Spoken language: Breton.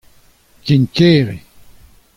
Ken ker eo.